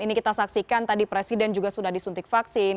ini kita saksikan tadi presiden juga sudah disuntik vaksin